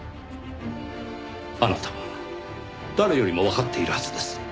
あなたは誰よりもわかっているはずです。